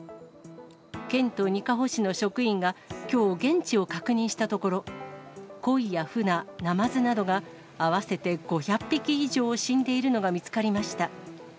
県とにかほ市の職員がきょう、現地を確認したところ、コイやフナ、ナマズなどが合わせて５００匹以上死んでいるのが見つかりました。